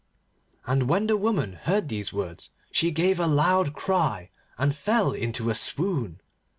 And when the woman heard these words she gave a loud cry, and fell into a swoon.